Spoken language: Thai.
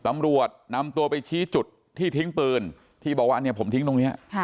ตำรวจนำตัวไปชี้จุดที่ทิ้งปืนที่บอกว่าเนี่ยผมทิ้งตรงนี้